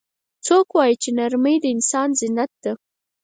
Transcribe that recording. څوک وایي چې نرمۍ د انسان زینت ده